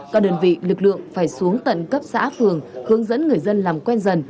các đơn vị lực lượng phải xuống tận cấp xã phường hướng dẫn người dân làm quen dần